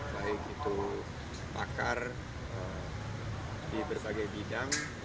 baik itu pakar di berbagai bidang